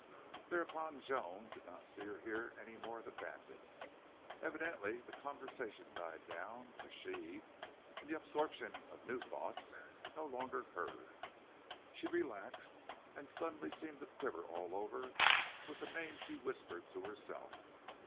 Thereupon Joan did not see or hear any more of the bandits. Evidently the conversation died down, or she, in the absorption of new thoughts, no longer heard. She relaxed, and suddenly seemed to quiver all over with the name she whispered to herself.